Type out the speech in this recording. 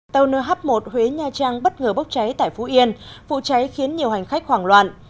tàu nh một huế nha trang bất ngờ bốc cháy tại phú yên vụ cháy khiến nhiều hành khách hoảng loạn